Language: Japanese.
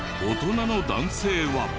大人の男性は。